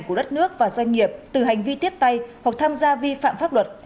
của đất nước và doanh nghiệp từ hành vi tiếp tay hoặc tham gia vi phạm pháp luật